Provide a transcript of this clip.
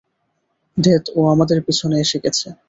ধ্যাত, ও আমাদের পেছনে এসে গেছে।